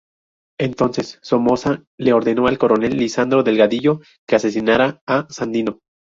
Entonces Somoza le ordenó al coronel Lisandro Delgadillo que asesinara a Sandino.